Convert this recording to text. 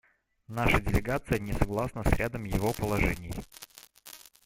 Наша делегация не согласна с рядом его положений.